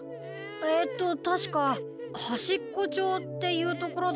えっとたしかはしっこちょうっていうところだって。